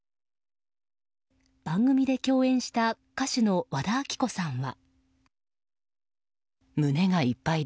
番組で共演した歌手の和田アキ子さんは。